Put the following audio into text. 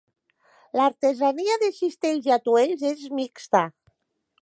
L'artesania de cistells i atuells és mixta.